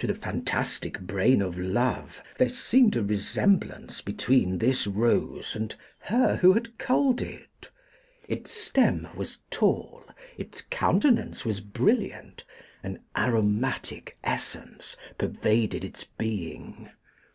To the fantastic brain of love there seemed a resemblance between this rose and her who had culled it. Its stem was tall, its countenance was brilliant, an aromatic essence pervaded its being.